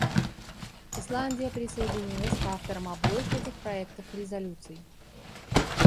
Исландия присоединилась к авторам обоих этих проектов резолюций.